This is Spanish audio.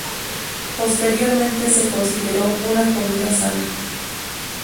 Posteriormente se consideró una comida sana.